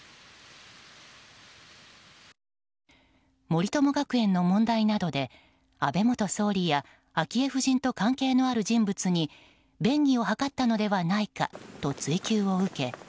森友学園の問題などで安倍元総理や昭恵夫人と関係のある人物に便宜を図ったのではないかと追及を受け